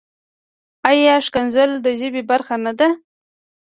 ایا کنځل د ژبې برخه نۀ ده؟